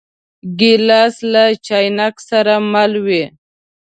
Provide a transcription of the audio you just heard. ګیلاس له چاینک سره مل وي.